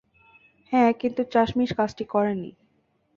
হ্যাঁ, কিন্তু চাশমিশ কাজটা করেনি।